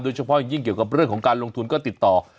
เฉพาะยิ่งเกี่ยวกับเรื่องของการลงทุนก็ติดต่อ